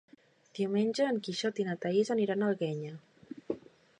Diumenge en Quixot i na Thaís iran a l'Alguenya.